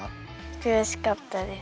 悔しかったです。